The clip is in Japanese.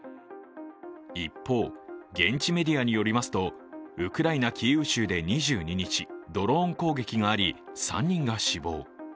一方、現地メディアによりますと、ウクライナ・キーウ州で２２日、ドローン攻撃があり３人が死亡。